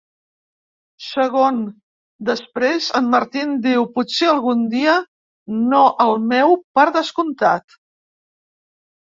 Segon després, en Martin diu: "Potser algun dia; no el meu, per descomptat".